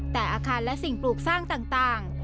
แต่อาคารและสิ่งปลูกสร้างต่าง